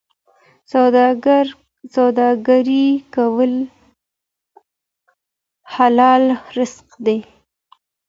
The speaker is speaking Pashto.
سوداګري کول حلال رزق دی.